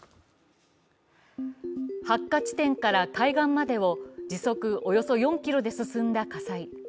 発火地点から海岸までを時速およそ４キロで進んだ火災。